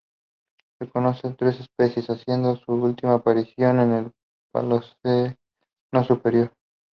Se conocen tres especies, haciendo su última aparición en el Paleoceno superior.